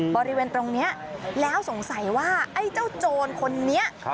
บริเวณตรงนี้แล้วสงสัยว่าไอ้เจ้าโจรคนนี้